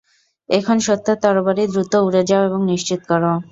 এখন, সত্যের তরবারি, দ্রুত উড়ে যাও এবং নিশ্চিত করো।